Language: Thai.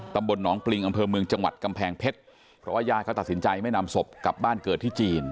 ตำบลหนองปริงอำเภอเมืองจังหวัดกำแพงเพชรเพราะว่าญาติเขาตัดสินใจไม่นำศพกลับบ้านเกิดที่จีน